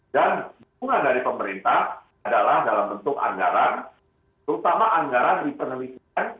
dan dukungan dari pemerintah adalah dalam bentuk anggaran terutama anggaran dari penelitian